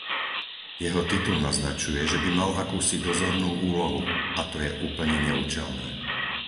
Jeho titul naznačuje, že by mal akúsi dozornú úlohu, a to je úplne neúčelné.